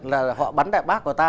là họ bắn đại bác của ta